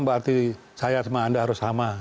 berarti saya sama anda harus sama